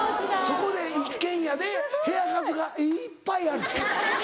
そこで一軒家で部屋数がいっぱいあるって。